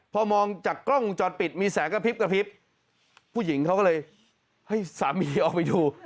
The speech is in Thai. พอมองจากกล้องวงจรปิดมีแสงกระพริบกระพริบผู้หญิงเขาก็เลยให้สามีออกไปดู